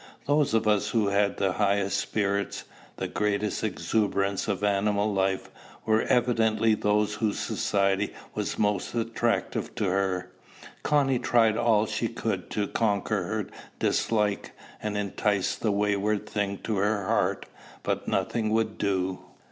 Those of us who had the highest spirits, the greatest exuberance of animal life, were evidently those whose society was most attractive to her. Connie tried all she could to conquer her dislike, and entice the wayward thing to her heart; but nothing would do.